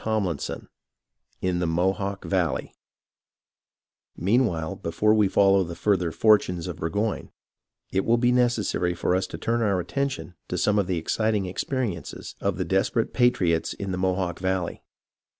CHAPTER XXI IN THE MOHAWK VALLEY Meanwhile, before we follow further the fortunes of Burgoyne, it will be necessary for us to turn our attention to some of the exciting experiences of the desperate patriots in the Mohawk Valley.